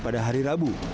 pada hari rabu